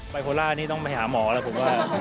ใบโพล่าอันนี้ต้องไปหาหมอแล้วผมก็